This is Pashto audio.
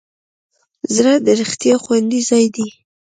زړه د رښتیا خوندي ځای دی.